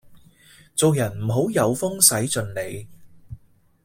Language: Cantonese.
做人唔好有風使盡 𢃇